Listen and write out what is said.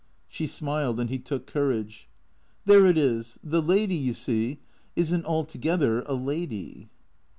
She smiled, and he took courage. " There it is. The lady, you see, is n't altogether a lady."